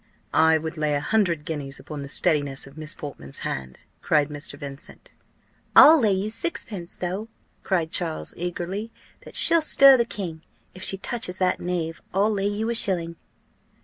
"I would lay a hundred guineas upon the steadiness of Miss Portman's hand," cried Mr. Vincent. "I'll lay you sixpence, though," cried Charles, eagerly, "that she'll stir the king, if she touches that knave I'll lay you a shilling."